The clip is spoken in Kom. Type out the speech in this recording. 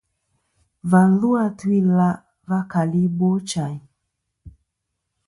Và lu a tu-ila' va keli Ibochayn.